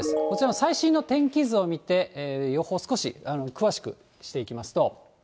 こちらの最新の天気図を見て、予報少し詳しくしていきますと。